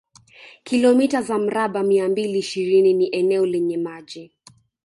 Kilomita za mraba mia mbili ishirini ni eneo lenye maji